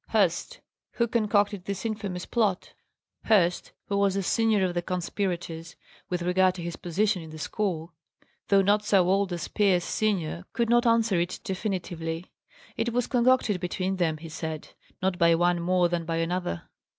Hurst, who concocted this infamous plot?" Hurst who was the senior of the conspirators, with regard to his position in the school, though not so old as Pierce senior could not answer it definitively. It was concocted between them, he said; not by one more than by another.